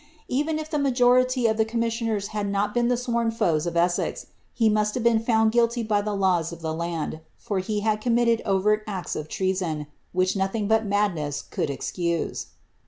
Even if the majoritv of the com missioners had not been the sworn foes of Essex, he must have been found guilty by the laws of the land, for he had committed overt acts of treason, which nothing but madness could excuse.